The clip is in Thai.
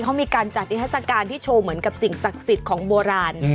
เขามีการจัดนิทัศกาลที่โชว์เหมือนกับสิ่งศักดิ์สิทธิ์ของโบราณ